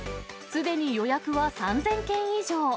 すでに予約は３０００件以上。